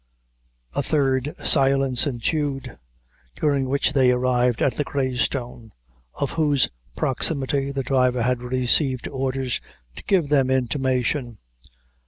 A third silence ensued, during which they arrived at the Grey Stone, of whose proximity the driver had received orders to give them intimation.